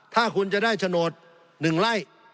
ถ้าคุณจะได้ฉนดหนึ่งไล่